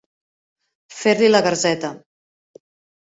Fer-li la garseta.